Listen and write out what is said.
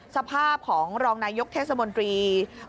สภาพของรองนายกเทศมนตรี